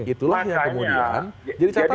itulah yang kemudian jadi catatan